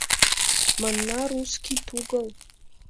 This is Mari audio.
Мына русский тугыл.